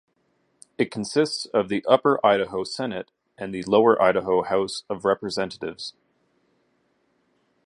It consists of the upper Idaho Senate and the lower Idaho House of Representatives.